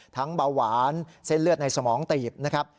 เบาหวานเส้นเลือดในสมองตีบนะครับ